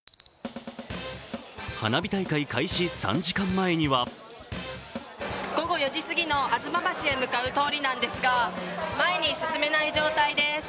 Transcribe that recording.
花火大会開始３時間前には午後４時すぎの吾妻橋へ向かう通りなんですが、前に進めない状態です。